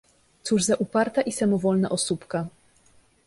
Cóż za uparta i samowolna osóbka!